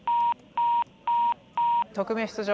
特命出場。